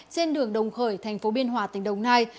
trên đường đồng khởi thành phố biên hòa tỉnh đồng nai